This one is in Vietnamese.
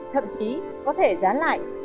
thậm chí có thể dán lại